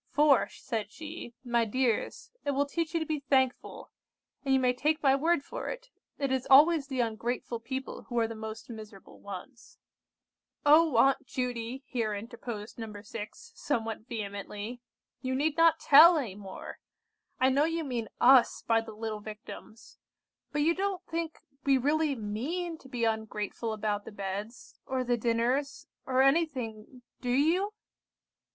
'For,' said she, 'my dears, it will teach you to be thankful; and you may take my word for it, it is always the ungrateful people who are the most miserable ones.'" "Oh, Aunt Judy!" here interposed No. 6, somewhat vehemently, "you need not tell any more! I know you mean us by the little Victims! But you don't think we really mean to be ungrateful about the beds, or the dinners, or anything, do you?"